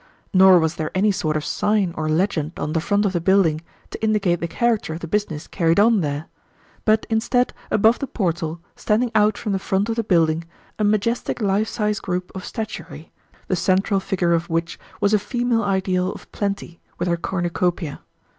Nor was there any sort of sign or legend on the front of the building to indicate the character of the business carried on there; but instead, above the portal, standing out from the front of the building, a majestic life size group of statuary, the central figure of which was a female ideal of Plenty, with her cornucopia.